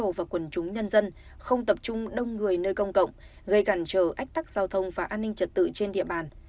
hồ và quần chúng nhân dân không tập trung đông người nơi công cộng gây cản trở ách tắc giao thông và an ninh trật tự trên địa bàn